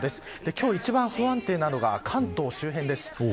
今日一番不安定なのは関東周辺です。